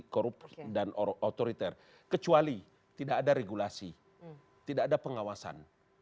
korup dan otoriter kecuali tidak ada regulasi tidak ada pengawasan